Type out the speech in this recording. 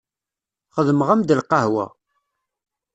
Xedmeɣ-am-d lqahwa.